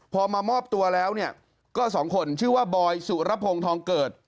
พอมามอบตัวแล้วเนี่ยก็สองคนชื่อว่าบอยสุรพงศ์ทองเกิด